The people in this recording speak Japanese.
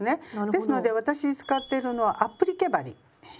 ですので私使ってるのはアップリケ針になります。